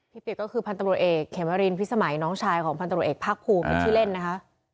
เปียกก็คือพันตำรวจเอกเขมรินพิสมัยน้องชายของพันตรวจเอกภาคภูมิเป็นชื่อเล่นนะคะ